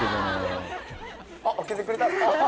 あっ開けてくれた。